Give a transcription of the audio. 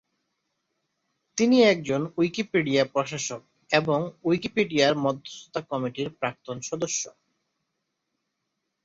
তিনি একজন উইকিপিডিয়া প্রশাসক, এবং উইকিপিডিয়ায় মধ্যস্থতা কমিটির প্রাক্তন সদস্য।